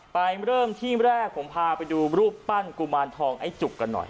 เริ่มที่แรกผมพาไปดูรูปปั้นกุมารทองไอ้จุกกันหน่อย